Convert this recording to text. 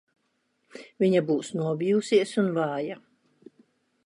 Viņa būs nobijusies un vāja.